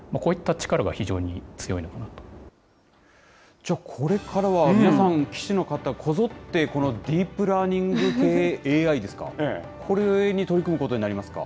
じゃあ、これからは皆さん、棋士の方、こぞってこのディープラーニング系ＡＩですか、これに取り組むことになりますか？